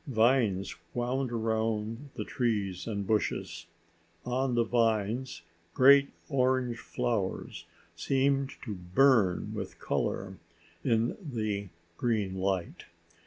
Vines wound around the trees and bushes. On the vines great orange flowers seemed to burn with color in the green light.